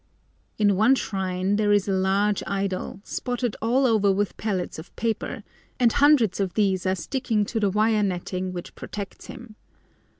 In one shrine there is a large idol, spotted all over with pellets of paper, and hundreds of these are sticking to the wire netting which protects him.